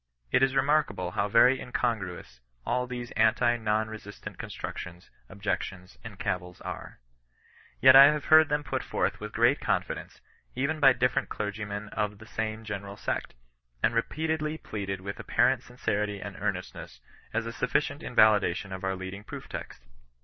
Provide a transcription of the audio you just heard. It is re markable how very incongruous all these anti non re sistant constructions, objectionB, and cavils are. Tet I CHRISTIAN NON )tESISTANOB. 31 have heard them put forth with great confidence, even by different clergymen of the same general sect, and repeatedly pleaded with apparent sincerity and earnest ness as a sumcient invalidation of our leading proof text.